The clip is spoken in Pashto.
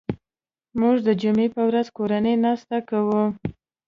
موږ د جمعې په ورځ کورنۍ ناسته کوو